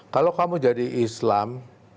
kalau kamu jadi islam